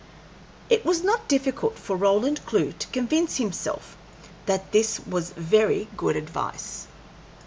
It was not difficult for Roland Clewe to convince himself that this was very good advice.